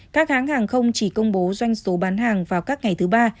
các hãng hàng không chỉ công bố doanh số bán hàng vào các ngày thứ ba